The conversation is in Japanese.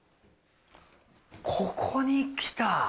ここに来た。